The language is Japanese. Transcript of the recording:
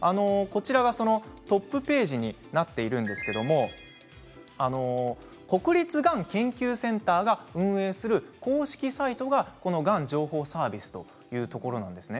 こちらが、そのトップページになっているんですけれども国立がん研究センターが運営する公式サイトがこの、がん情報サービスというところなんです。